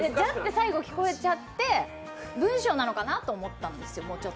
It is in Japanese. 最後聞こえちゃって文章なのかなと思ったんですよ。